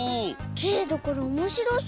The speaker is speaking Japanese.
けれどこれおもしろそう。